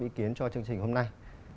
ý kiến cho chương trình hôm nay